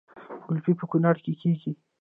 ګلپي په کونړ کې کیږي